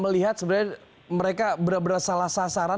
lihat sebenarnya mereka berasal sasaran